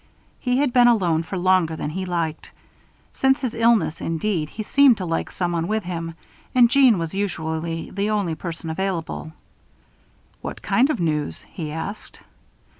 He had been alone for longer than he liked. Since his illness, indeed, he seemed to like someone with him; and Jeanne was usually the only person available. "What kind of news?" he asked.